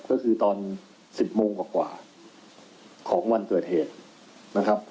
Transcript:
ก็คือตอน๑๐โมงกว่าของวันเกิดเหตุนะครับ